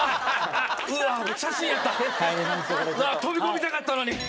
飛び込みたかったのに。